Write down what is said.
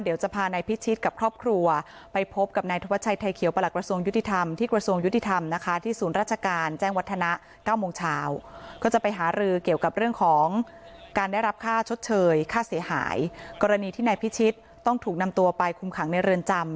เดี๋ยวจะพานายพิชิตกับครอบครัวไปพบกับนายทรัพย์ลัยพระ